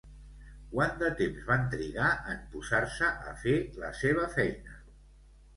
Quant de temps van trigar en posar-se a fer la seva feina?